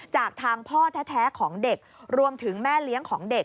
จากทางพ่อแท้ของเด็กรวมถึงแม่เลี้ยงของเด็ก